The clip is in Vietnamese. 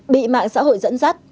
bị mạng xã hội dẫn dắt